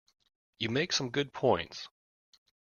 You make some good points.